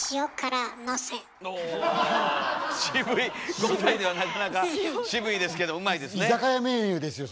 ５歳ではなかなか渋いですけどうまいですね。